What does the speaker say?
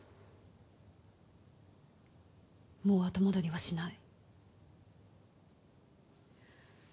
もう後戻りはしない。